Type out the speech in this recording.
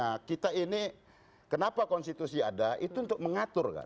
nah kita ini kenapa konstitusi ada itu untuk mengatur kan